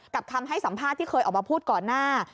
คำให้สัมภาษณ์ที่เคยออกมาพูดก่อนหน้า